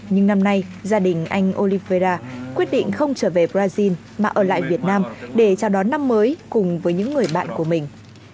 nhưng năm nay gia đình anh oliprea quyết định không trở về brazil mà ở lại việt nam để chào đón năm mới cùng với những người bạn của mình